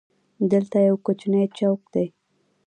دلته یو کوچنی چوک دی.